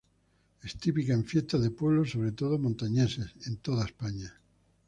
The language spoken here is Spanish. Es típica en fiestas de pueblos, sobre todo montañeses, en toda España.